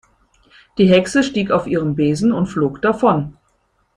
Die Hexe stieg auf ihren Besen und flog davon.